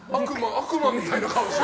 悪魔みたいな顔した。